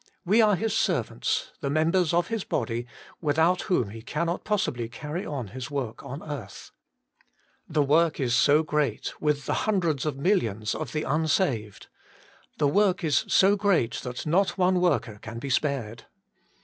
We are His servants, the members of His body, without whom He cannot possibly carry on His work on earth. The work is so great — with the hundreds of millions of the unsaved — the work is so great, that not one worker can be spared.